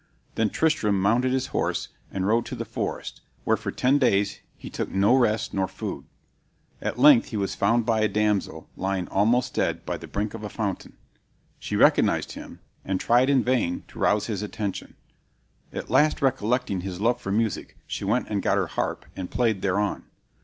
Then Tristram mounted his horse, and rode to the forest, where for ten days he took no rest nor food. At length he was found by a damsel lying almost dead by the brink of a fountain. She recognized him, and tried in vain to rouse his attention. At last recollecting his love for music she went and got her harp, and played thereon.